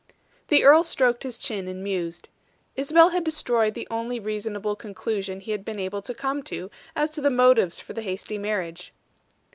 The earl stroked his chin and mused. Isabel had destroyed the only reasonable conclusion he had been able to come to as to the motives for the hasty marriage.